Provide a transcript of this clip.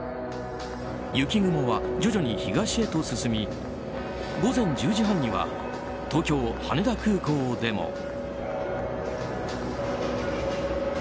雪雲は徐々に東へと進み午前１０時半には東京・羽田空港でも。